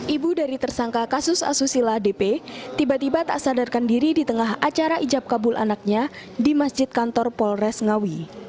ibu dari tersangka kasus asusila dp tiba tiba tak sadarkan diri di tengah acara ijab kabul anaknya di masjid kantor polres ngawi